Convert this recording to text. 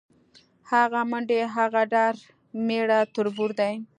هغه منډې، هغه ډار میړه تربور دی